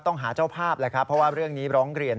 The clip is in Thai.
ต้องหาเจ้าภาพแหละครับเพราะว่าเรื่องนี้ร้องเรียน